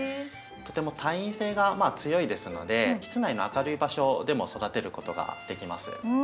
とても耐陰性が強いですので室内の明るい場所でも育てることができます。